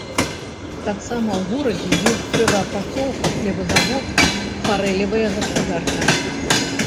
Таксама ў горадзе ёсць дрэваапрацоўка, хлебазавод, фарэлевая гаспадарка.